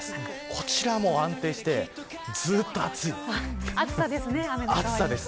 こちらも安定して、ずっと暑い。